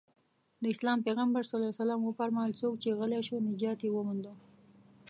د اسلام پيغمبر ص وفرمايل څوک چې غلی شو نجات يې ومونده.